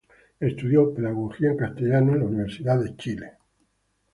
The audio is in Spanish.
Estudió pedagogía en Castellano en la Universidad de Chile.